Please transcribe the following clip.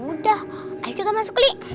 udah ayo kita masuk beli